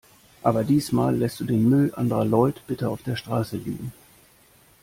Aber diesmal lässt du den Müll anderer Leut bitte auf der Straße liegen.